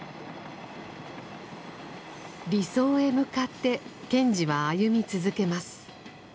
理想へ向かって賢治は歩み続けます。